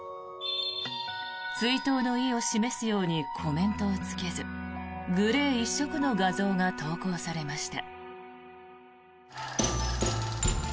追悼の意を示すようにコメントをつけずグレー一色の画像が投稿されました。